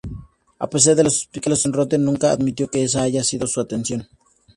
A pesar de las suspicacias, Rotten nunca admitió que esa haya sido su intención.